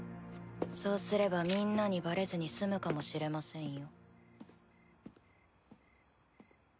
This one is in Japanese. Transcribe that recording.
そうすればみんなにばれずに済むかもしれませんよ。